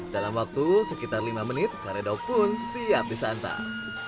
dalam waktu sekitar lima menit karedok pun siap disantap